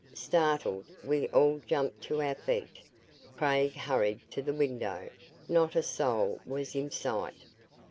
Startled, we all jumped to our feet. Craig hurried to the window. Not a soul was in sight!